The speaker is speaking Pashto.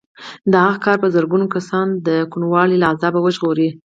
د هغه کار به زرګونه کسان د کوڼوالي له عذابه وژغوري